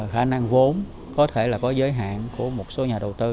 khả năng vốn có thể là có giới hạn của một số nhà đầu tư